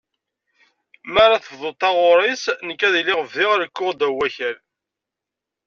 Mi ara tebduḍ taɣuri-s nekk ad iliɣ bdiɣ rekkuɣ ddaw n wakal.